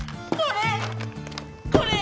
これ。